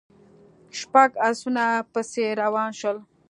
شپږ آسونه پسې روان شول.